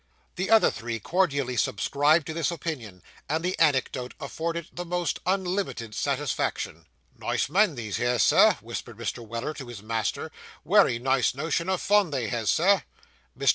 The other three cordially subscribed to this opinion, and the anecdote afforded the most unlimited satisfaction. 'Nice men these here, Sir,' whispered Mr. Weller to his master; 'wery nice notion of fun they has, Sir.' Mr.